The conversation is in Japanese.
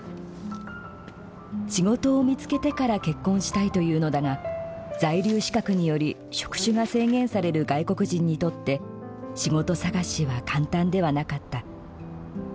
仕事を見つけてから結婚したいというのだが在留資格により職種が制限される外国人にとって仕事探しは簡単ではなかった。